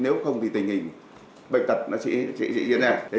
nếu không thì tình hình bệnh tật sẽ diễn ra